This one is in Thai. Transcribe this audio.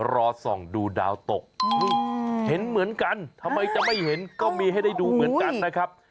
รอส่องดูดาวตกเห็นเหมือนกันทำไมจะไม่เห็นก็มีให้ได้ดูเหมือนกันนะครับ